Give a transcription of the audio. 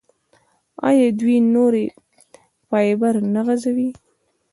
آیا دوی نوري فایبر نه غځوي؟